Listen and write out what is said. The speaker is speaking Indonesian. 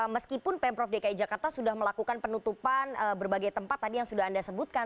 meskipun pemprov dki jakarta sudah melakukan penutupan berbagai tempat tadi yang sudah anda sebutkan